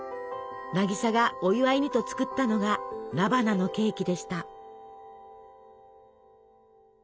渚がお祝いにと作ったのが菜花のケーキでした。